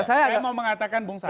saya mau mengatakan bung sari